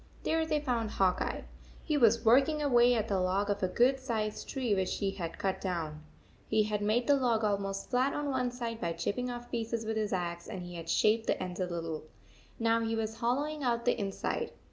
There they found Hawk Eye. He was working away at the log of a good sized tree which he had cut down. He had made the log almost flat on one side by chipping off pieces with his axe, and he had shaped the ends a little. Now he was hollowing out the inside.